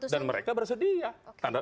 dan mereka bersedia